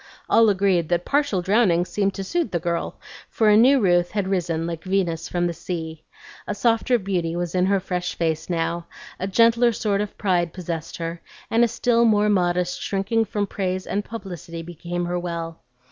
All agreed that partial drowning seemed to suit the girl, for a new Ruth had risen like Venus from the sea. A softer beauty was in her fresh face now, a gentler sort of pride possessed her, and a still more modest shrinking from praise and publicity became her well.